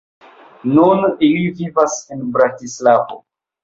Nun ili vivas en Bratislavo.